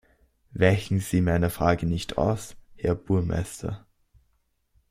Weichen Sie meiner Frage nicht aus, Herr Burmeister!